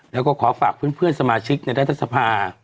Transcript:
แล้วก็ขอฝากเพื่อนสมาชิกในรัฐสภา